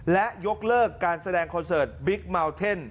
และยกเลิกการแสดงคอนเสิร์ตบิ๊กเมาเทน